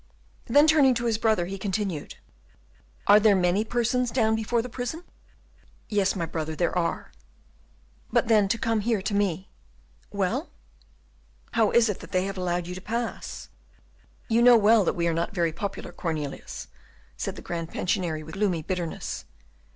Then, turning to his brother, he continued, "Are there many persons down before the prison." "Yes, my brother, there are." "But then, to come here to me " "Well?" "How is it that they have allowed you to pass?" "You know well that we are not very popular, Cornelius," said the Grand Pensionary, with gloomy bitterness.